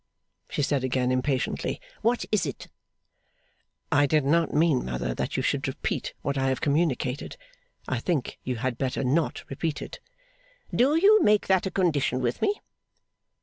she said again, impatiently. 'What is it?' 'I did not mean, mother, that you should repeat what I have communicated. I think you had better not repeat it.' 'Do you make that a condition with me?